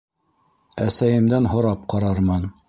- Әсәйемдән һорап ҡарармын.